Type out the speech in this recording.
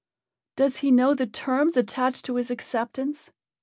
"Does he know the terms attached to his acceptance?"